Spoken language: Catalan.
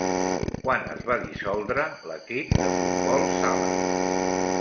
Quan es va dissoldre l'equip de futbol sala?